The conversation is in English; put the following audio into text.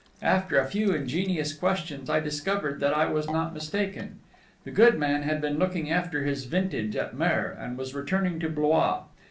After a few ingenious questions, I discovered that I was not mistaken. The good man had been looking after his vintage at Mer, and was returning to Blois.